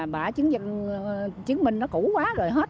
bà chứng minh nó cũ quá rồi hết